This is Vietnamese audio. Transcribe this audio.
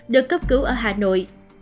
được cấp cứu ở hà nội